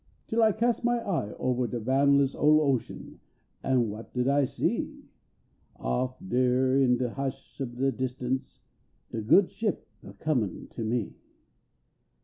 Till I cast my eye ovah de boun less Ole ocean, an what did I see: 1 Off dar in de hush ob de distance De Good Ship a coinin to me.